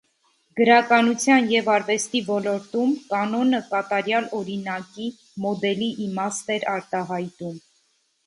Գրականության և արվեստի ոլորտում կանոնը կատարյալ օրինակի, մոդելի իմաստ էր արտահայտում։